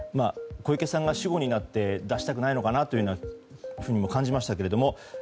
小池さんが主語になって出したくないのかなというふうにも感じましたけれども。